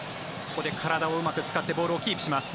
ここで体をうまく使ってボールをキープします。